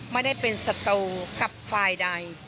ไม่ได้เป็นศัตรูกับฝ่ายใด